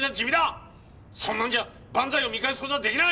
そんなんじゃ伴財を見返す事は出来ない！